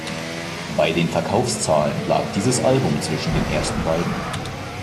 Bei den Verkaufszahlen lag dieses Album zwischen den ersten beiden.